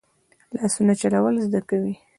لاسونه چلول زده کوي